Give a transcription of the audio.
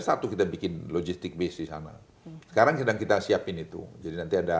satu kita bikin logistik base di sana sekarang sedang kita siapin itu jadi nanti ada